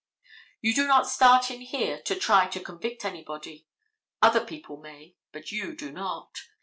You do not start in here to try to convict anybody—other people may, but you do not.